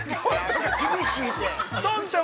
◆厳しいって。